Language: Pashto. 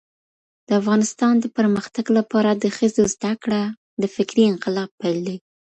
د افغانستان د پرمختګ لپاره د ښځو زدهکړه د فکري انقلاب پیل دی.